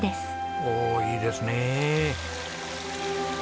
おおいいですねえ。